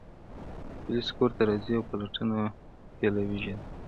پوليس کور ته راځي او پلټنه پيلوي ژر